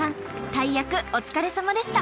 大役お疲れさまでした！